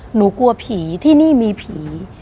หนูกลัวผีที่นี่มีผี